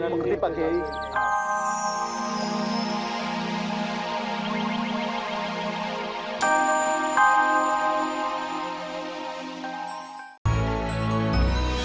mengerti pak kiai